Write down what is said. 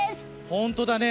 本当だね。